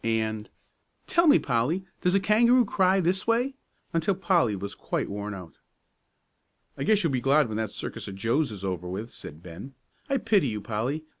and "Tell me, Polly, does a kangaroo cry this way?" until Polly was quite worn out. "I guess you'll be glad when that circus of Joe's is over with," said Ben. "I pity you, Polly.